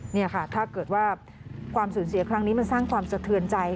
นี่ค่ะถ้าเกิดว่าความสูญเสียครั้งนี้มันสร้างความสะเทือนใจ